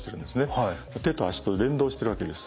手と足と連動してるわけです。